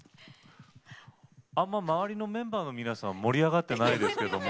あんま周りのメンバーの皆さん盛り上がってないですけども。